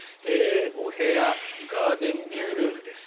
お部屋ガーデンビュールームです。